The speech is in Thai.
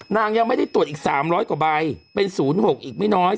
นางยังไม่ได้ตรวจอีกสามร้อยกว่าใบเป็นศูนย์หกอีกไม่น้อย